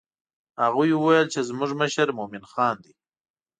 هغوی وویل چې زموږ مشر مومن خان دی.